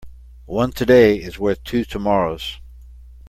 One today is worth two tomorrows.